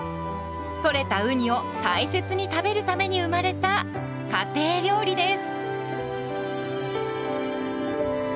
とれたウニを大切に食べるために生まれた家庭料理です。